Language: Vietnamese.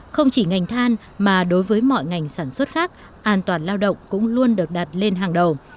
không chỉ ngành than mà đối với mọi ngành sản xuất khác an toàn lao động cũng luôn được đặt lên hàng đầu